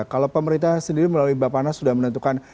kalau pemerintah sendiri melalui bapak nas sudah menentukan